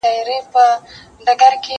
زه بايد سبزیجات تيار کړم،